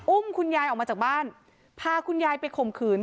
คุณยายออกมาจากบ้านพาคุณยายไปข่มขืน